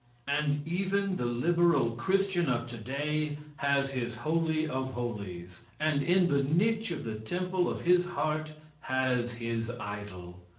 And even the liberal Christian of today has his holy of holies, and in the niche of the temple of his heart has his idol.